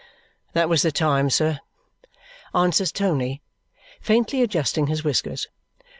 "That was the time, sir," answers Tony, faintly adjusting his whiskers.